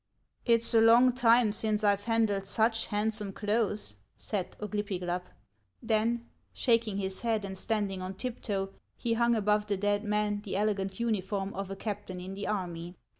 " It 's a long time since I Ve handled such handsome clothes," said Oglypiglap; then, shaking his head and standing on tiptoe, he hung above the dead man the ele gant uniform of a captain in the army.